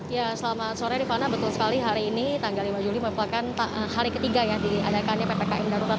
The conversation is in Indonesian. ya selamat sore rifana betul sekali hari ini tanggal lima juli merupakan hari ketiga ya diadakannya ppkm darurat